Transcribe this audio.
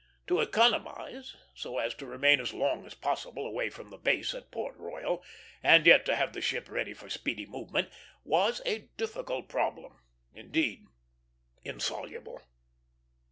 To economize, so as to remain as long as possible away from the base at Port Royal, and yet to have the ship ready for speedy movement, was a difficult problem; indeed, insoluble.